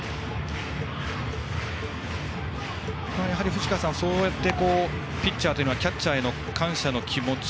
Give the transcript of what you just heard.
藤川さん、そうやってピッチャーというのはキャッチャーへの感謝の気持ち